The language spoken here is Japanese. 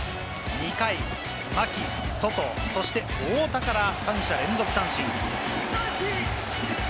２回、牧、ソト、そして大田から、三者連続三振。